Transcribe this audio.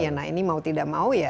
ya nah ini mau tidak mau ya